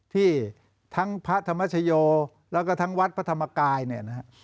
ที่ทั้งพระธรรมชโยแล้วก็ทั้งวัดพระธรรมกายเนี่ยนะฮะ